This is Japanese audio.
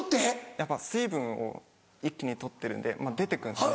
やっぱ水分を一気に取ってるんでまぁ出て行くんですね。